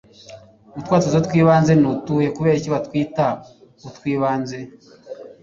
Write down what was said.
utwatuzo tw'ibanze ni utuhe? kuki batwitautw'ibanze